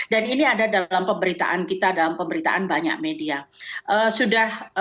dan ini ada dalam pemberitaan kita dalam pemberitaan banyak media sudah